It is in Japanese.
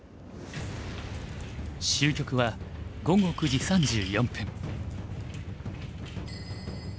終局は午後９時３４分。